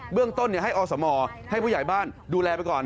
เรื่องต้นให้อสมให้ผู้ใหญ่บ้านดูแลไปก่อน